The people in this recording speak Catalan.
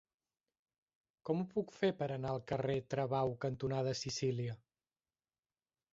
Com ho puc fer per anar al carrer Travau cantonada Sicília?